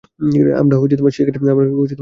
আমরা সেই কাজেই এসেছি।